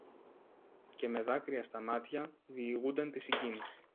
και με δάκρυα στα μάτια διηγούνταν τη συγκίνηση